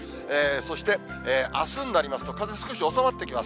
そして、あすになりますと、風、少し収まってきます。